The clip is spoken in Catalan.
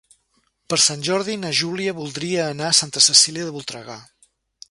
Per Sant Jordi na Júlia voldria anar a Santa Cecília de Voltregà.